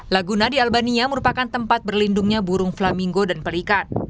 laguna di albania merupakan tempat berlindungnya burung flaminggo dan pelikan